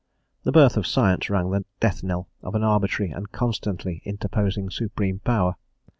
The birth of science rang the death knell of an arbitrary and constantly interposing Supreme Power